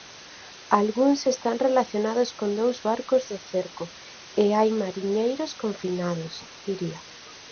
Algúns están relacionados con dous barcos do cerco e hai mariñeiros confinados, Iria.